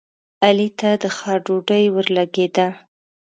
علي ته د ښار ډوډۍ ورلګېده.